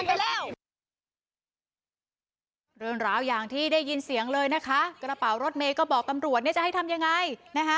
ใครจะเป็นคนรับผิดชอบให้พวกนู้นจ่าย๕๐๐๖๐๐อย่างนี้